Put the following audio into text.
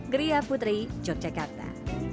geria putri yogyakarta